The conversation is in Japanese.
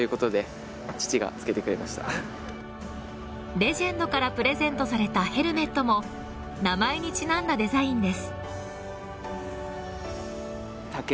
レジェンドからプレゼントされたヘルメットも名前にちなんだデザインです。